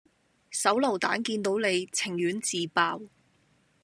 手榴彈見到你，情願自爆